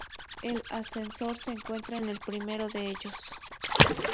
El ascensor se encuentra en el primero de ellos.